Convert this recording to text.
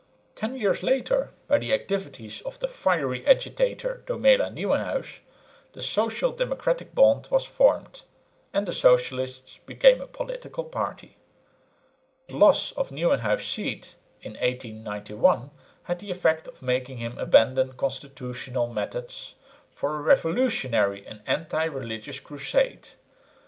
Ten years later, by the activities of the fiery agitator, Domela Nieuwenhuis, the Social Democratic Bond was formed; and the socialists became a political party. The loss of Nieuwenhuis' seat in 1891 had the effect of making him abandon constitutional methods for a revolutionary and anti religious crusade.